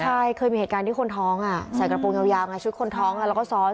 ใช่เคยมีเหตุการณ์ที่คนท้องใส่กระโปรงยาวไงชุดคนท้องแล้วก็ซ้อน